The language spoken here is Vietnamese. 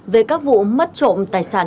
về các vụ mất trộm